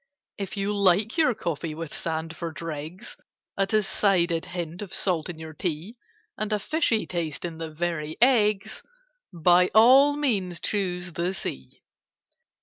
If you like your coffee with sand for dregs, A decided hint of salt in your tea, And a fishy taste in the very eggs— By all means choose the Sea.